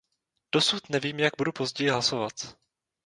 Dosud nevím, jak budu později hlasovat.